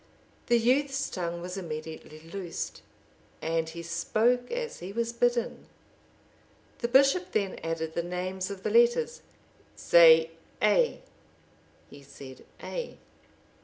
The youth's tongue was immediately loosed, and he spoke as he was bidden. The bishop then added the names of the letters: "Say A." He said A.